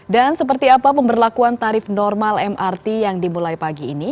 dan seperti apa pemberlakuan tarif normal mrt yang dimulai pagi ini